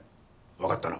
わかったな。